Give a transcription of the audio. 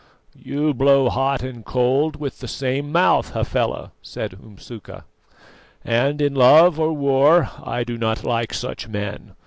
"You blow hot and cold with the same mouth, Hafela," said Umsuka, "and in love or war I do not like such men.